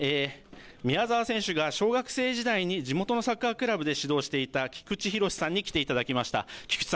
こちらには宮澤選手が小学生時代に地元のサッカークラブで指導していた菊地廣さんに来ていただきました。